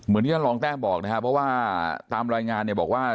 ที่ท่านรองแต้มบอกนะครับเพราะว่าตามรายงานเนี่ยบอกว่า